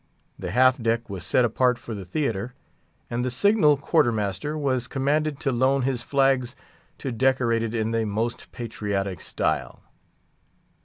The half deck was set apart for the theatre, and the signal quarter master was commanded to loan his flags to decorate it in the most patriotic style.